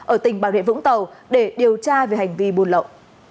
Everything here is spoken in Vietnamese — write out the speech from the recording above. ở tỉnh bà rịa vũng tàu để điều tra về hành vi buôn lậu